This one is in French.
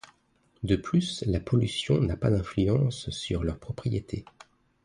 De plus la pollution n'a pas d'influence sur leurs propriétés.